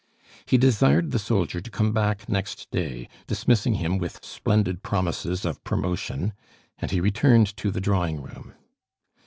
He desired the soldier to come back next day, dismissing him with splendid promises of promotion, and he returned to the drawing room.